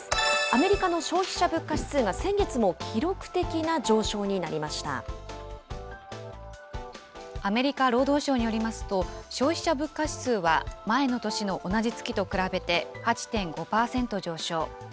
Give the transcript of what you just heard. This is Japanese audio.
アメリカの消費者物価指数が先月アメリカ労働省によりますと、消費者物価指数は前の年の同じ月と比べて８．５％上昇。